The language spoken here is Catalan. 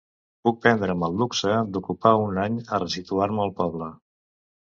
Puc prendre’m el luxe d’ocupar un any a resituar-me al poble.